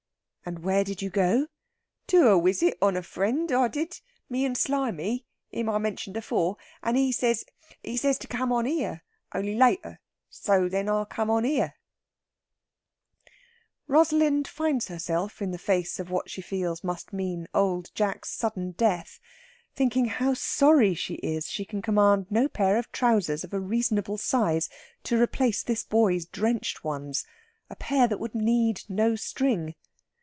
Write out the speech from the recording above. "And where did you go?" "To a wisit on a friend, I did. Me and Slimy him I mentioned afore. And he says, he says, to come on here on'y later. So then I come on here." Rosalind finds herself, in the face of what she feels must mean Old Jack's sudden death, thinking how sorry she is she can command no pair of trousers of a reasonable size to replace this boy's drenched ones a pair that would need no string.